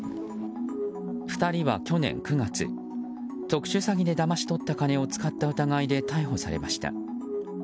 ２人は去年９月特殊詐欺でだまし取った金を使った疑いで逮捕されました。